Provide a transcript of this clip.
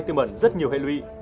tương bẩn rất nhiều hệ lụy